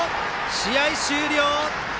試合終了。